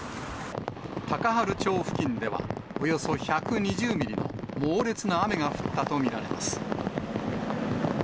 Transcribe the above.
高原町付近ではおよそ１２０ミリの猛烈な雨が降ったと見られます。